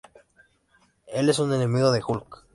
Él es un enemigo de Hulk.